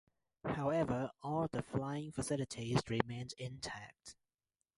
However all the flying facilities remain intact.